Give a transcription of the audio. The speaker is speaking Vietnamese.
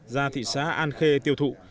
ra thị xã an khê tiêu thụ